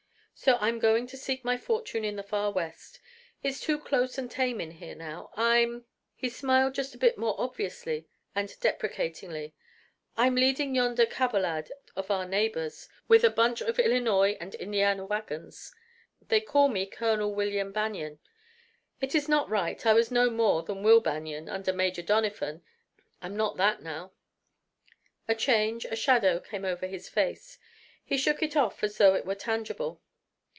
So I'm going to seek my fortune in the Far West. It's too close and tame in here now. I'm" he smiled just a bit more obviously and deprecatingly "I'm leading yonder caballad of our neighbors, with a bunch of Illinois and Indiana wagons. They call me Col. William Banion. It is not right I was no more than Will Banion, major under Doniphan. I am not that now." A change, a shadow came over his face. He shook it off as though it were tangible.